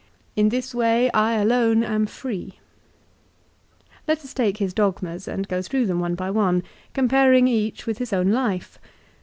In this way I alone am free." 2 Let us take kis 'dogmas and go through them one by one, comparing each with his own life.